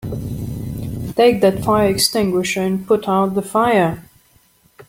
Take that fire extinguisher and put out the fire!